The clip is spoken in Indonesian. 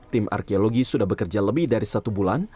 tim arkeologi sudah bekerja lebih dari satu bulan